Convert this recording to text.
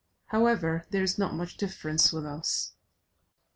However, there is not much difference with us.